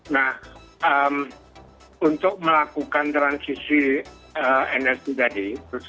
nah untuk melakukan transisi energi tadi